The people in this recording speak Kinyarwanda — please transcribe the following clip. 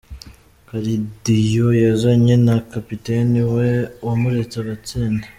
Karadiyo yazanye na kapiteni we wamuretse agatsinda.